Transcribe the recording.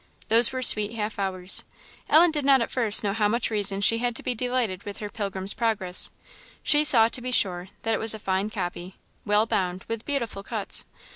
Those were sweet half hours. Ellen did not at first know how much reason she had to be delighted with her Pilgrim's Progress: she saw, to be sure, that it was a fine copy, well bound, with beautiful cuts.